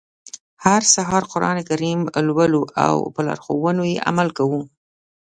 هر سهار قرآن کریم لولو او په لارښوونو يې عمل کوو.